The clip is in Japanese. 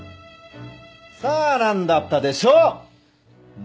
さあ何だったでしょう？